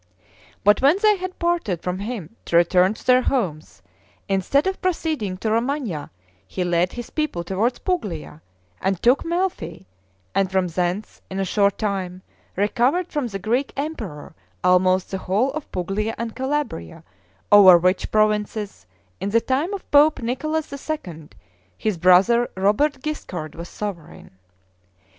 But when they had parted from him to return to their homes, instead of proceeding to Romagna he led his people towards Puglia, and took Melfi; and from thence, in a short time, recovered from the Greek emperor almost the whole of Puglia and Calabria, over which provinces, in the time of pope Nicholas II. his brother Robert Guiscard was sovereign.